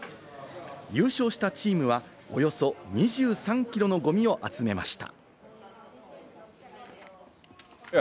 優勝したチームはおよそ２３キロのゴミを集めました。